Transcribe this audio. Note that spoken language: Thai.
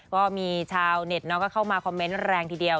ก็มีชาวเน็ตก็เข้ามาคอมเมนต์แรงทีเดียว